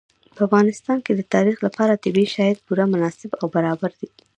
په افغانستان کې د تاریخ لپاره طبیعي شرایط پوره مناسب او برابر دي.